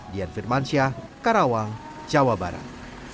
dian firmansyah karawang jawa barat